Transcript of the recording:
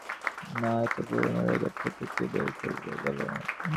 না, এত পুরনো রেকর্ডপত্র কে বের করবে, বল?